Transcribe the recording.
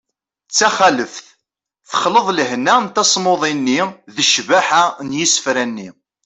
d tamxaleft : texleḍ lehna n tasmuḍi-nni d ccbaḥa n yisefra-nni